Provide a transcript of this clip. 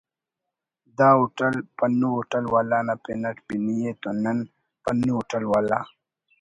the hotel ”پنو ہوٹل والا“ نا پن اٹ پنی ءِ تو نن پنو ہوٹل والا